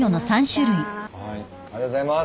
ありがとうございます。